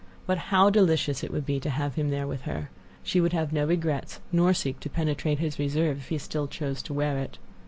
But how delicious it would be to have him there with her! She would have no regrets, nor seek to penetrate his reserve if he still chose to wear it.